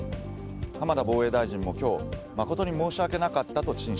浜田防衛大臣も今日誠に申し訳なかったと陳謝。